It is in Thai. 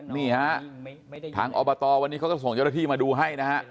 นี่ฮะทางอบตวันนี้เขาก็ส่งเจ้าหน้าที่มาดูให้นะฮะ